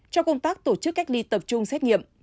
cho công tác tổ chức cách ly tập trung xét nghiệm